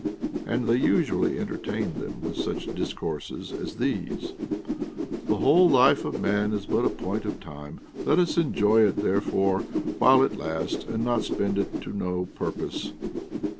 And they usually entertain them with such discourses as these : The whole life of man is but a point of time ; let us enjoy it therefore while it lasts, and not spend it to no purpose.